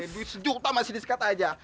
duit sejuta masih disekat aja